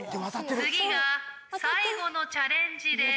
次が最後のチャレンジです。